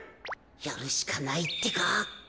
やるしかないってか。